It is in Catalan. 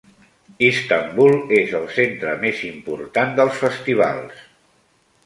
Istanbul és el centre més important dels festivals.